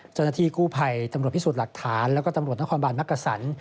เจ้าหน้าที่กู้ภัยตำรวจพิสูจน์หลักฐานแล้วก็ตำรวจนครบานมักกษัน